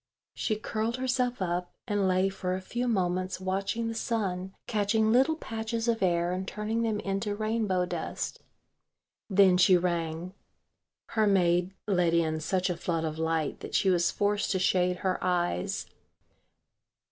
She curled herself up and lay for a few moments watching the sun catching little patches of air and turning them into rainbow dust. Then she rang. Her maid let in such a flood of light that she was forced to shade her eyes.